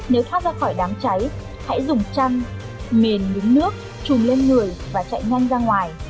nếu thoát ra khỏi đám cháy hãy dùng chăn mìn đứng nước trùm lên người và chạy nhanh ra ngoài